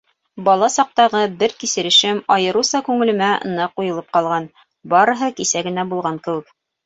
Бала саҡтағы бер кисерешем айырыуса күңелемә ныҡ уйылып ҡалған, барыһы кисә генә булған кеүек...